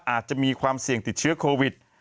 อาจจะมีความเสี่ยงติดเชื้อโควิด